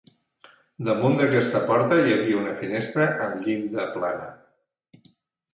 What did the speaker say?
Damunt d'aquesta porta hi havia una finestra amb llinda plana.